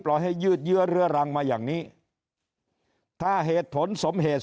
ให้ยืดเยื้อเรื้อรังมาอย่างนี้ถ้าเหตุผลสมเหตุ